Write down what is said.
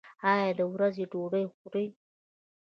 ایا د ورځې ډوډۍ خورئ؟